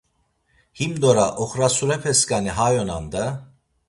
Himdora oxrasurepesǩani hay onan da?